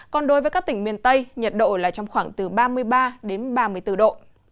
còn đối với các tỉnh miền tây nhiệt độ là trong khoảng từ ba mươi ba đến ba mươi bốn độ